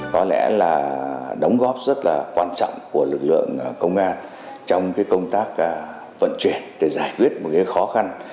có lẽ là đóng góp rất là quan trọng của lực lượng công an trong công tác vận chuyển để giải quyết một khó khăn